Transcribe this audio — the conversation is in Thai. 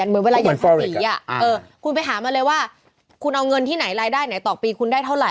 เออคุณไปหามาเลยว่าคุณเอาเงินที่ไหนรายได้ไหนต่อปีคุณได้เท่าไหร่